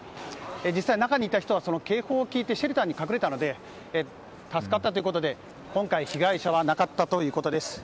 実際、中にいた人は警報を聞いてシェルターに隠れたので助かったということで今回、被害者はなかったということです。